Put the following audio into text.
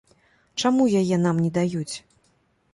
Чаму яе нам не даюць?